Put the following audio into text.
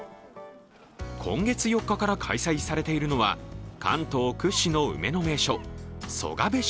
今月４日から開催されているのは関東屈指の梅の名所曽我別所